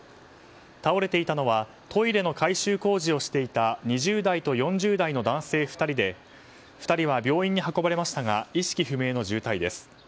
倒れていたのはトイレの改修工事をしていた２０代と４０代の男性２人で２人は病院に運ばれましたが意識不明の重体です。